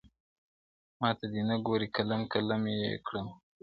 ما ته دي نه ګوري قلم قلم یې کړمه!.